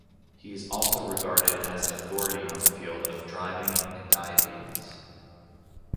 He is also regarded as an authority on the field of driving and diabetes.